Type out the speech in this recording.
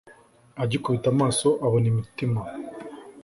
agikubita amaso abona imitima